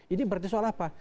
ini berarti soal apa